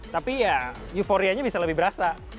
tapi ya euforianya bisa lebih berasa